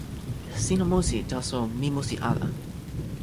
sina musi. taso mi musi ala.